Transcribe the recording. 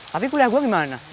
tapi kuliah gua gimana